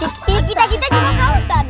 kita juga kehausan